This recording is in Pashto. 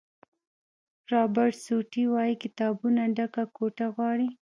رابرټ سوټي وایي کتابونو ډکه کوټه غواړي.